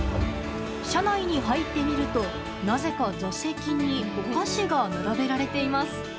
車内に入ってみるとなぜか座席にお菓子が並べられています。